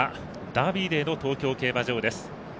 ダービーデーの東京競馬場です。